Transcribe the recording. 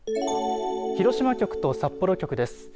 広島局と札幌局です。